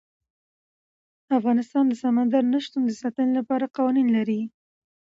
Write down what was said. افغانستان د سمندر نه شتون د ساتنې لپاره قوانین لري.